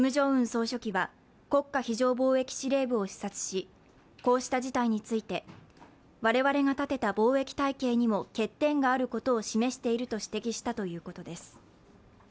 総書記は国家非常防疫司令部を視察し、こうした事態について、我々が建てた防疫体系にも欠点があることを示していると指摘したということです。